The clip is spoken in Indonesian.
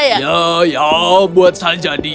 ya ya buat saja dia